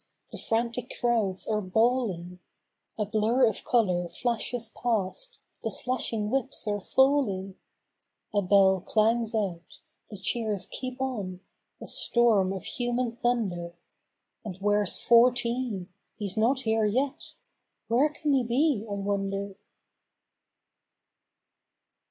The frantic crowds are bawl¬ ing; \\\\\\. A blur of color flashes past, the slashing whips are falling, A bell clangs out; the cheers keep on, a storm of human thunder; And where's Fourteen? He's not here yet—where can he be, I wonder?